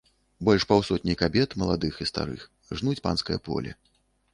Больш паўсотні кабет, маладых і старых, жнуць панскае поле.